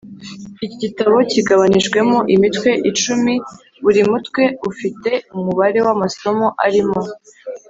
Iki gitabo kigabanijwemo imitwe icumi buri mutwe ufite umubare w’amasomo arimo.